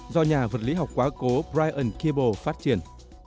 do nhà vật lý học quá cố brian kibo phát triển